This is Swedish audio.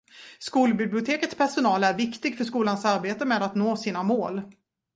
Skolbibliotekets personal är viktig för skolans arbete med att nå sina mål.